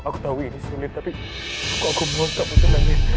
aku tau ini sulit tapi aku mau kamu tenang ya